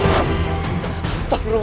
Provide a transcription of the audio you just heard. tidak ada alasan tarafulness